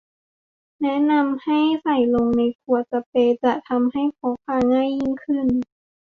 แนะนำให้ใส่ลงในขวดสเปรย์จะทำให้พกพาง่ายยิ่งขึ้น